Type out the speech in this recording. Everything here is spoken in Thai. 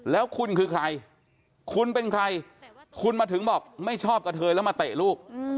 แล้วคุณคือใครคุณเป็นใครคุณมาถึงบอกไม่ชอบกระเทยแล้วมาเตะลูก